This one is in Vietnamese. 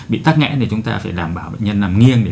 bị tắt nghẽ thì chúng ta phải đảm bảo bệnh nhân nằm nghiêng để